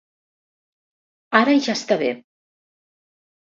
Ara ja està bé.